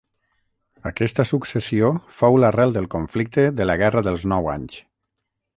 Aquesta successió fou l'arrel del conflicte de la Guerra dels Nou Anys.